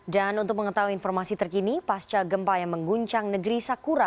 dan untuk mengetahui informasi terkini pasca gempa yang mengguncang negeri sakura